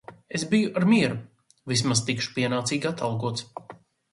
Es biju ar mieru, vismaz tikšu pienācīgi atalgots.